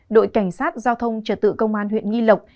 đội cảnh sát giao thông trật tự công an huyện nghi lộc